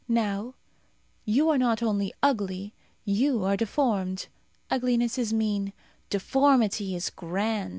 Now, you are not only ugly; you are deformed. Ugliness is mean, deformity is grand.